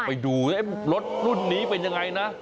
ไปดูรถรุ่นนี้เป็นยังไงนะ